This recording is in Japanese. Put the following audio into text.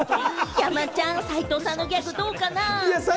山ちゃん、斉藤さんのギャグどうかな？